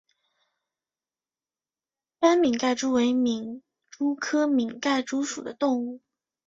斑皿盖蛛为皿蛛科皿盖蛛属的动物。